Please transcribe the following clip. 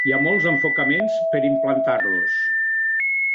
Hi ha molts enfocaments per implantar-los.